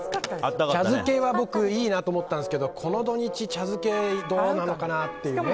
茶漬けは僕、いいなと思ったんですけどこの土日茶漬けどうなのかなっていうね。